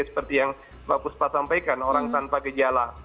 seperti yang mbak puspa sampaikan orang tanpa gejala